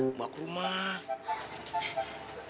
mbak ke rumah